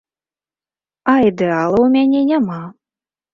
А ідэала ў мяне няма.